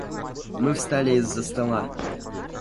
Мы встали из-за стола.